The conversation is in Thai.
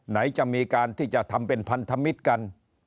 ไหนจะมีการที่จะทำเป็นพันธมิตรกัน